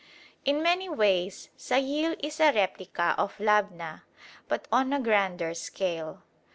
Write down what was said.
In many ways Sayil is a replica of Labna, but on a grander scale.